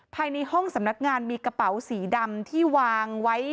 ภายในห้องสำนักงานมีกระเป๋าสีดำที่วางไว้